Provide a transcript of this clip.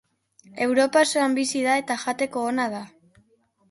Europa osoan bizi da eta jateko ona da.